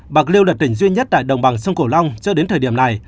bạc liêu là tỉnh duy nhất tại đồng bằng sông cổ long cho đến thời điểm này